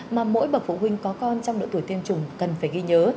mà mỗi bậc phụ huynh có con trong độ tuổi tiêm chủng cần phải ghi nhớ